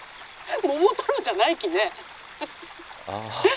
桃太郎じゃないきねえ」。